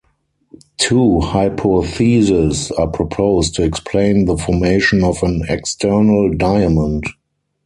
Two hypotheses are proposed to explain the formation of an external diamond.